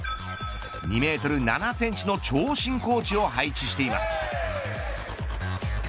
２メートル７センチの長身コーチを配置しています。